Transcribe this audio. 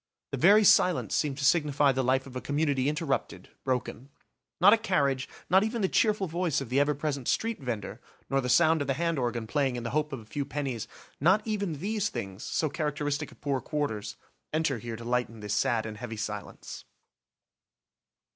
The very silence seemed to signify the life of a community interrupted, broken. Not a carriage, not even the cheerful voice of the ever present street vender, nor the sound of the hand organ playing in the hope of a few pennies, not even these things, so characteristic of poor quarters, enter here to lighten this sad and heavy silence.